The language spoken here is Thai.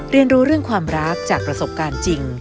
เรียนรู้เรื่องความรักจากประสบการณ์จริง